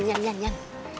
eh eh ian ian ian ian ian